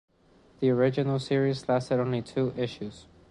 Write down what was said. The original series lasted only two issues.